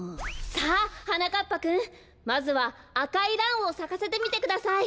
さあはなかっぱくんまずはあかいランをさかせてみてください。